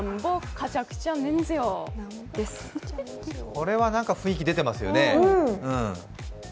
これは、なんか雰囲気出てますよね。